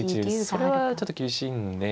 それはちょっと厳しいんで。